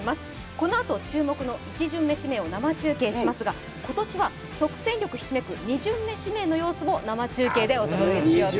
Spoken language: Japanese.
このあと注目の１巡目指名を生中継しますが、今年は即戦力ひしめく２巡目指名の様子も生中継でお伝えしていきます。